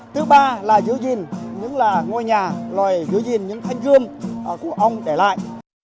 thứ ba là giữ gìn những ngôi nhà loài giữ gìn những thanh dương của ông để lại